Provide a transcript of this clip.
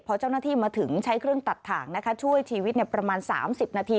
พอเจ้าหน้าที่มาถึงใช้เครื่องตัดถ่างนะคะช่วยชีวิตประมาณ๓๐นาที